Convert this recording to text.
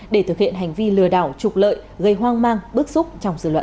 để thực hiện hành vi lừa đảo trục lợi gây hoang mang bức xúc trong dự luận